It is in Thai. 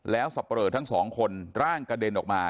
แล้วสับปะเลอทั้งสองคนร่างกระเด็นออกมา